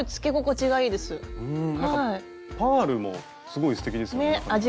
パールもすごいすてきですよね。